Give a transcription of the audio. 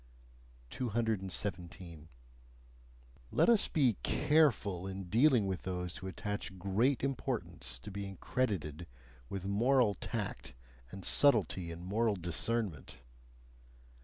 217. Let us be careful in dealing with those who attach great importance to being credited with moral tact and subtlety in moral discernment!